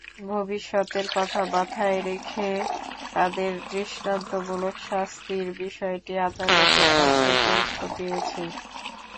ভবিষ্যতের কথা মাথায় রেখে তাঁদের দৃষ্টান্তমূলক শাস্তির বিষয়টি আদালতের কাছে গুরুত্ব পেয়েছে।